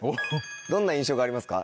どんな印象がありますか？